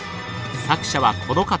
作者はこの方。